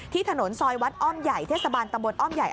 ถนนซอยวัดอ้อมใหญ่เทศบาลตำบลอ้อมใหญ่